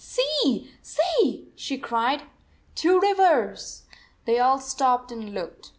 "See, see," she cried. "Two rivers." They all stopped and looked.